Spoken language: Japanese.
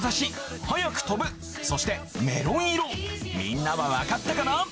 みんなはわかったかな？